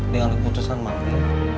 dengan keputusan mami